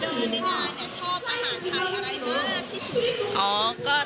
ดูนี่น่ะชอบอาหารไข้อะไรมากที่สุด